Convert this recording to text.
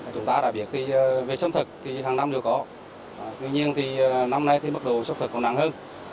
chúng ta đã biết về sâm thực thì hàng năm đều có tuy nhiên năm nay bắt đầu sâm thực còn nặng hơn